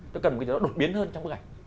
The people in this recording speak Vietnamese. tôi cần cái gì đó đột biến hơn trong bức ảnh